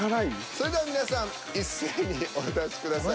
それでは皆さん一斉にお出しください。